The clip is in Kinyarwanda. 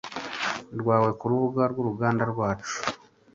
rwawe kurubuga rwuruganda rwacu